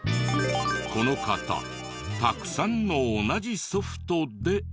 この方たくさんの同じソフトで。